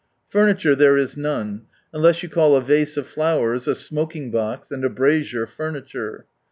Furniture there is none, unless you call a vase of flowers, a smoking box, and a brazier, furniture.